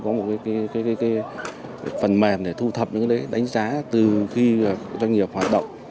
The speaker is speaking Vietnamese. chúng tôi có một phần mềm để thu thập những cái đấy đánh giá từ khi doanh nghiệp hoạt động